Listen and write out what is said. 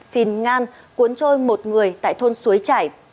phìn ngan cuốn trôi một người tại thôn suối trải